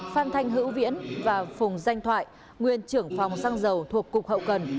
phan thanh hữu viễn và phùng danh thoại nguyên trưởng phòng xăng dầu thuộc cục hậu cần